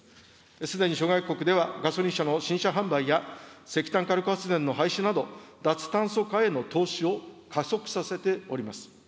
すでに諸外国ではガソリン車の新車販売や石炭火力発電の廃止など、脱炭素化への投資を加速させております。